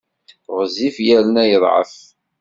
Ɣezzif yerna yeḍɛef.